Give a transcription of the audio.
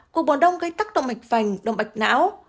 cuộc bòn đông gây tắc động mạch phành động mạch não